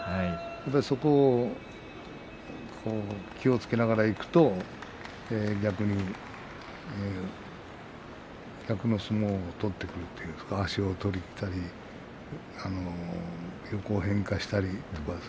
そこを気をつけながらいくと逆の相撲を取ってくる足を取りにいったり横に変化したり。